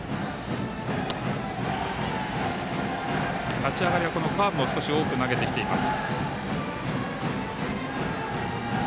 立ち上がりはカーブも多く投げてきています。